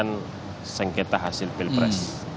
bukan sengketa hasil pilpres